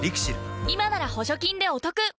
今なら補助金でお得